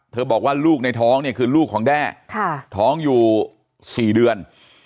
บอกว่าลูกในท้องเนี่ยคือลูกของแด้ท้องอยู่๔เดือน